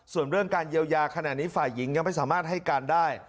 ส่วนเรื่องการเยียวยาขณะนี้ฝ่ายหญิงยังไม่สามารถให้การได้